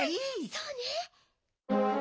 そうね。